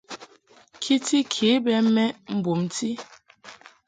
Kiti ke bɛ mɛʼ mbumti.